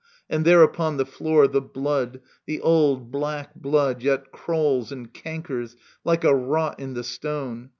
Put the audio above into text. And there upon the floor, the blood, the old Black blood, yet crawls and cankers, like a rot In the stone